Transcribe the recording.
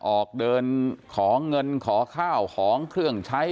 ออกเดินขอเงินขอข้าวของเครื่องใช้